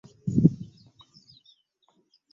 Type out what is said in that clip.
Akaviiri ke wasaze ndaba kasuffu!